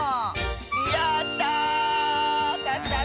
やった！